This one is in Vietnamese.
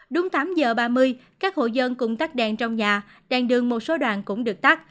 đúng tám giờ ba mươi các hộ dân cũng tắt đèn trong nhà đèn đường một số đoạn cũng được tắt